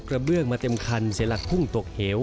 เบื้องมาเต็มคันเสียหลักพุ่งตกเหว